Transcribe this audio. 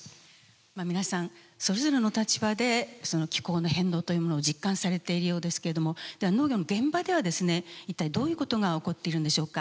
皆さんそれぞれの立場でその気候の変動というものを実感されているようですけれどもでは農業の現場ではですね一体どういうことが起こっているんでしょうか。